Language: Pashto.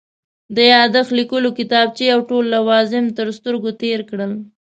د یادښت لیکلو کتابچې او ټول لوازم تر سترګو تېر کړل.